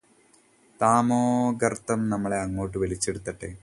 തമോഗര്ത്തം നമ്മളെ അങ്ങോട്ട് വലിച്ചെടുത്തോട്ടെ